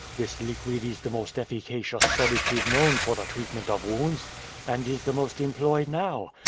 "This liquid is the most efficacious sedative known for the treatment of wounds, and is the most employed now.